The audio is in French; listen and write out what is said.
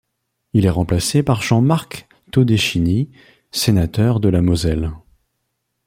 Il est remplacé par Jean-Marc Todeschini, sénateur de la Moselle.